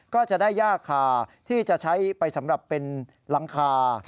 ก็จะได้ย่าคาที่จะใช้ไปสำหรับเป็นหลังคา